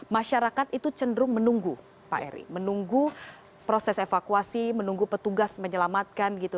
masyarakat itu cenderung menunggu pak eri menunggu proses evakuasi menunggu petugas menyelamatkan gitu